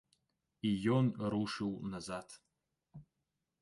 І ён рушыў назад.